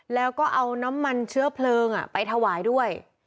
แล้วก็เอาน้ำมันเชื้อเพลิงไปถวายด้วย